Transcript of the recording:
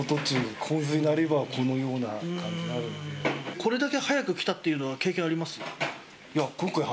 これだけ早く来たというのは経験ありますか？